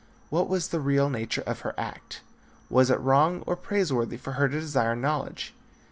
What was the real nature of her act? Was it wrong or praise worthy for her to desire knowledge?